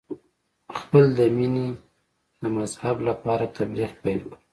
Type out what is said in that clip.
خپل د مینې د مذهب لپاره تبلیغ پیل کړ.